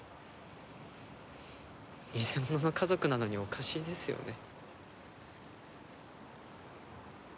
偽物の家族なのにおかしいですよね。